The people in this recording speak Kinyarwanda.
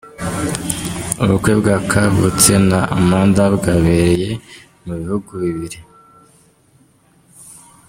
Ubukwe bwa Kavutse na Amanda bwabereye mu bihugu bibiri.